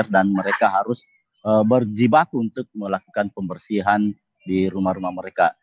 dan mereka harus berjibat untuk melakukan pembersihan di rumah rumah mereka